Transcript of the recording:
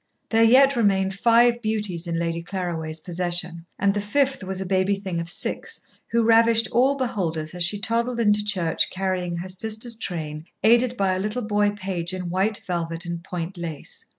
There yet remained five beauties in Lady Claraway's possession, and the fifth was a baby thing of six, who ravished all beholders as she toddled into church carrying her sister's train, aided by a little boy page in white velvet and point lace.